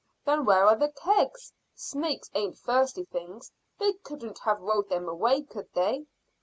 Then where are the kegs? Snakes ain't thirsty things. They couldn't have rolled them away, could they?"